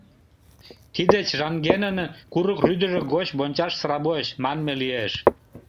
Тиде «Чжангенын курык рӱдыжӧ гоч вончаш сравоч» манме лиеш.